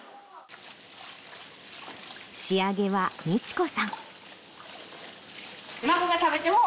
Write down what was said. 仕上げは満子さん。